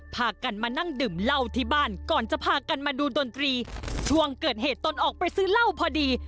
พากันมานั่งดื่มเหล้าที่บ้านก่อนจะพากันมาดูดนตรีช่วงเกิดเหตุตนออกไปซื้อเหล้าพอดี